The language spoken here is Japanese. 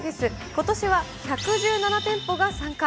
ことしは１１７店舗が参加。